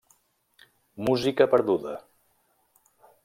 Música perduda.